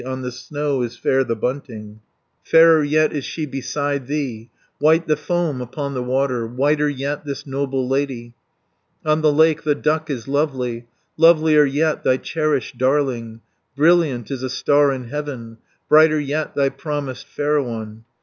On the snow is fair the bunting, Fairer yet is she beside thee; White the foam upon the water, Whiter yet this noble lady: On the lake the duck is lovely, Lovelier yet thy cherished darling; 390 Brilliant is a star in heaven, Brighter yet thy promised fair one.